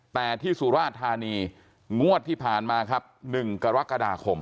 แต่ที่สุราธานีงวดที่ผ่านมาครับ๑กรกฎาคม